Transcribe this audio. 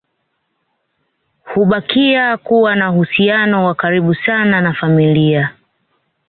Hubakia kuwa na uhusiano wa karibu sana na familia